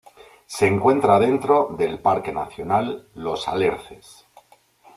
Se encuentra dentro del Parque Nacional Los Alerces.